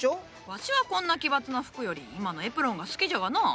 わしはこんな奇抜な服より今のエプロンが好きじゃがなあ。